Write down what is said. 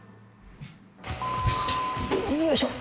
よいしょ。